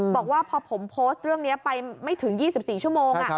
บอกว่าพอผมโพสต์เรื่องนี้ไปไม่ถึง๒๔ชั่วโมง